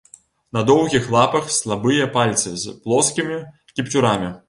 На доўгіх лапах слабыя пальцы з плоскімі кіпцюрамі.